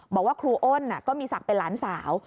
บอกว่าครูอ้นก็มีศักดิ์เป็นหลานสาว